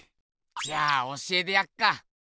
じゃあ教えてやっか！